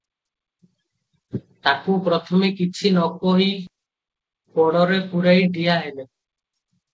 ତାକୁ ପ୍ରଥମେ କିଛି ନକହି କୋଡ଼ରେ ପୂରାଇ ଠିଆ ହେଲେ ।